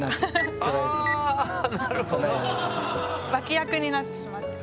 脇役になってしまって。